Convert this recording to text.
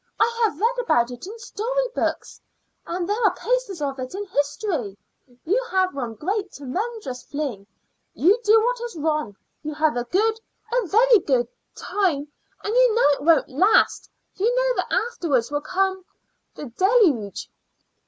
I have read about it in story books, and there are cases of it in history; you have one great tremendous fling; you do what is wrong; you have a good a very good time, and you know it won't last; you know that afterwards will come the deluge."